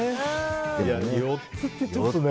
４つって、ちょっとね。